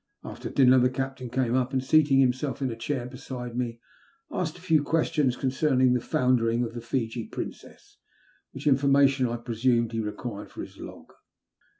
After dinner the Captain came up, and seating himself in a chair beside me, asked a few questions concerning the foundering of the Fiji Princeu^ which information, I presumed, he required for his log.